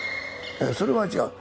それは違う。